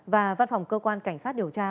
và văn phòng cơ quan cảnh sát điều tra